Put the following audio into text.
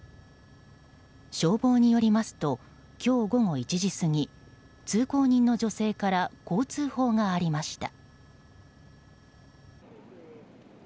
消防によりますと今日午後１時過ぎ通行人の女性からこう通報がありました。